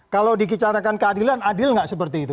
kalau dikicarakan keadilan adil nggak seperti itu